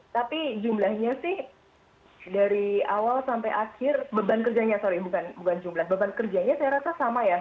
tapi jumlahnya sih dari awal sampai akhir beban kerjanya sorry bukan jumlah beban kerjanya saya rasa sama ya